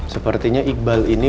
sepertinya iqbal ini